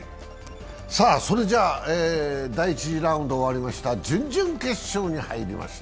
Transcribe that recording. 第１次ラウンドが終わりました、準決勝に入りました。